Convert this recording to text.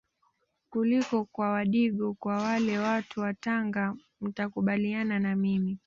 kuliko kwa wadigo kwa wale watu wa Tanga mtakubaliana na mimi